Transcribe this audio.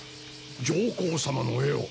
上皇様の絵を。